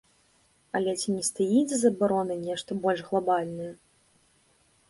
Але ці не стаіць за забаронай нешта больш глабальнае?